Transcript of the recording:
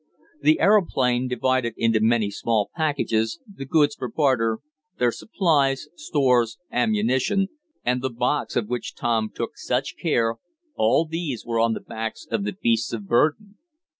The aeroplane, divided into many small packages, the goods for barter, their supplies, stores, ammunition, and the box of which Tom took such care all these were on the backs of the beasts of burden.